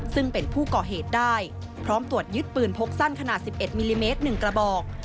ซึ่งเป็นผู้ก่อเหตุได้พร้อมตรวจยึดปืนพกสั้นขนาด๑๑มิลลิเมตร๑กระบอก